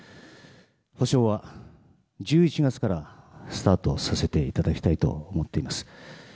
補償は１１月からスタートさせていただきたいと思っております。